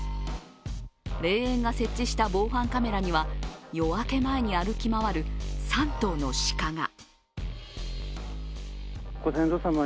霊園が設置した防犯カメラには、夜明け前に歩き回る３頭の鹿が。